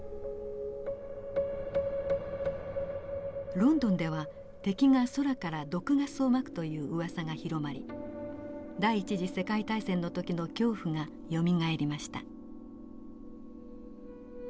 ロンドンでは敵が空から毒ガスをまくといううわさが広まり第一次世界大戦の時の恐怖がよみがえりました。